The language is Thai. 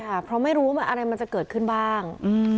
เพราะไม่รู้ว่าอะไรมันจะเกิดขึ้นบ้าง